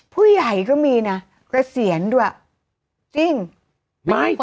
ผู้ใหญ่ก็มีนะก็เฉียนด้วย